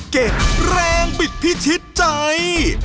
แรงบิดพิชิตใจ